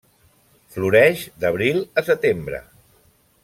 Floreix d'abril a setembre.